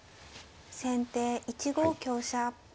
先手１五香車。